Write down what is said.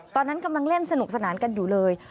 ตอนนั้นกำลังเล่นสนุกสนานกันอยู่เลย